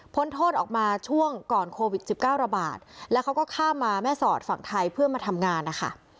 โทษออกมาช่วงก่อนโควิด๑๙ระบาดแล้วเขาก็ข้ามมาแม่สอดฝั่งไทยเพื่อมาทำงานนะคะ